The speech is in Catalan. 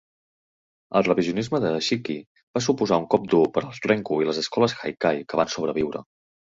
El revisionisme de Shiki va suposar un cop dur per als renku i les escoles haikai que van sobreviure.